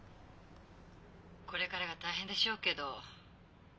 ☎これからが大変でしょうけど。